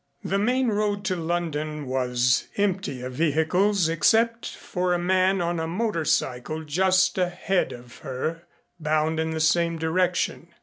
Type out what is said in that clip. The main road to London was empty of vehicles except for a man on a motor cycle just ahead of her bound in the same direction.